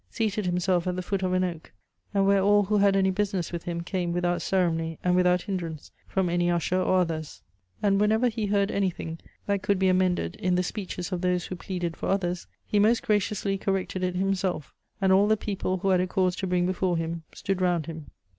seated himself at the foot of an oak, and where all who had any business with him came without ceremony and without hindrance from any usher or others; and whenever he heard anything that could be amended in the speeches of those who pleaded for others he most graciously corrected it himself, and all the people who had a cause to bring before him stood round him."